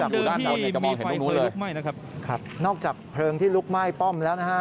คือนอกจากที่ลุกไหม้ป้องแล้วนะฮะ